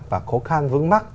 và khó khăn vững mắc